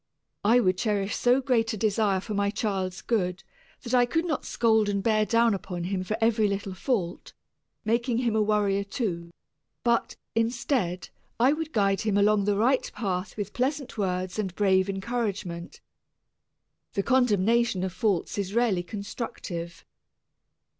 I would cherish so great a desire for my child's good that I could not scold and bear down upon him for every little fault, making him a worrier too, but, instead, I would guide him along the right path with pleasant words and brave encouragement. The condemnation of faults is rarely constructive.